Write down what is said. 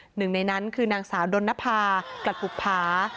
หนึ่งในนั้นคือนางสาวดนภากลัดปุภา